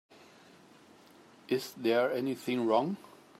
Is there anything wrong?